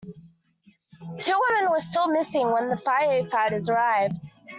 Two women were still missing when the firefighters arrived.